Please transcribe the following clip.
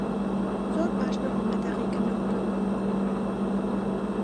زۆر باش نەبووم لە تاقیکردنەوەکەم.